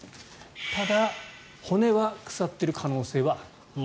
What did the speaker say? ただ、骨は腐っている可能性はある。